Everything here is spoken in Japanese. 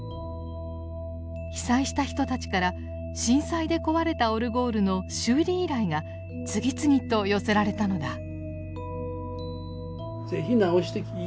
被災した人たちから震災で壊れたオルゴールの修理依頼が次々と寄せられたのだ。